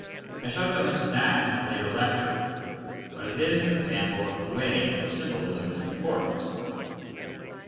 I shall go into that in 506 the monist. a later lecture, but it is an example of the way in which symbolism is important.